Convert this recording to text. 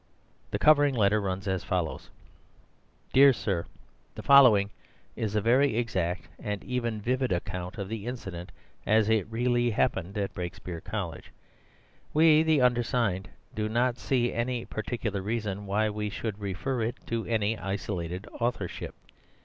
The covering letter runs as follows:— "Dear Sir,—The following is a very exact and even vivid account of the incident as it really happened at Brakespeare College. We, the undersigned, do not see any particular reason why we should refer it to any isolated authorship.